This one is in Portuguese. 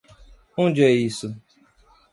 Onde é isso?